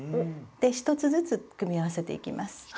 で１つずつ組み合わせていきます。